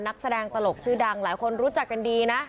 นักแสดงตลกชื่อดังหลายคนรู้จักกันดีนะ